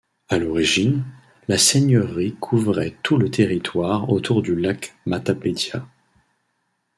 À l'origine, la seigneurie couvrait tout le territoire autour du lac Matapédia.